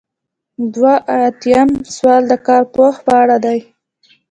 دوه ایاتیام سوال د کارپوه په اړه دی.